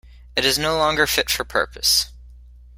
It is no longer fit for purpose.